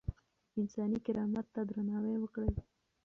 انساني کرامت ته درناوی وکړئ.